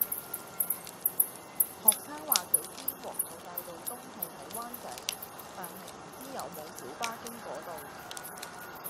學生話佢知皇后大道東係喺灣仔，但係唔知有冇小巴經嗰度